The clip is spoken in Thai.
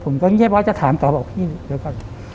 ผมก็เงียบว่าจะถามตอบออกพี่เลยก่อน